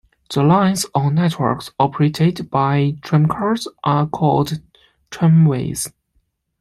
The lines or networks operated by tramcars are called tramways.